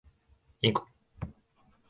インコ